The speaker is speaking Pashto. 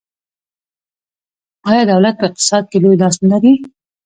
آیا دولت په اقتصاد کې لوی لاس نلري؟